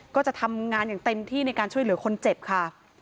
ก็จะทำงานอย่างเต็มที่ในการช่วยเหลือคนเจ็บค่ะ